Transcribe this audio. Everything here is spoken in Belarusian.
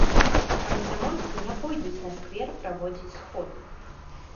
Камсамольцы не пойдуць на сквер праводзіць сход.